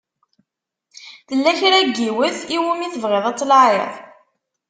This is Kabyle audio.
Tella kra n yiwet i wumi tebɣiḍ ad tlaɛiḍ?